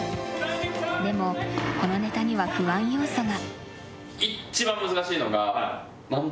でも、このネタには不安要素が。